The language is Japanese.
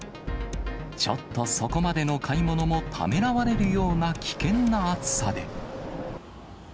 ちょっとそこまでの買い物もためらわれるような危険な暑さで。